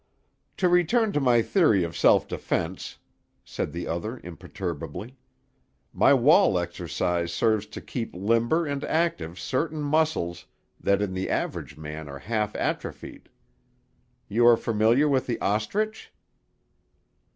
"To return to my theory of self defense," said the other imperturbably. "My wall exercise serves to keep limber and active certain muscles that in the average man are half atrophied. You are familiar with the ostrich?"